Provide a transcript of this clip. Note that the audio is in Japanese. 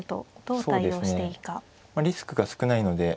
リスクが少ないので。